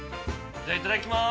じゃあいただきます！